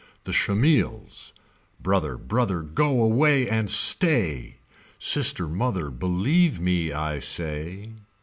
The Schemils. Brother brother go away and stay. Sister mother believe me I say.